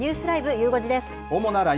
ゆう５時です。